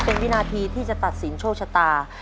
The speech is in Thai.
เป็นวินาทีที่จะตัดสินโชคชะตา